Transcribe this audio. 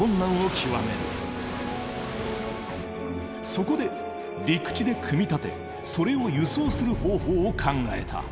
そこで陸地で組み立てそれを輸送する方法を考えた。